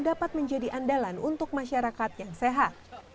dapat menjadi andalan untuk masyarakat yang sehat